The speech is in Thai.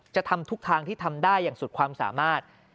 ทำทุกทางที่ทำได้อย่างสุดความสามารถ